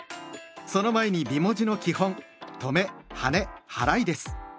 その前に美文字の基本「とめ・はねはらい」です。